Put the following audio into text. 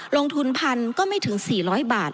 ลงทุนพันก็ไม่ถึง๔๐๐บาท